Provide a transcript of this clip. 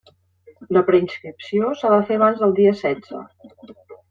La preinscripció s'ha de fer abans del dia setze.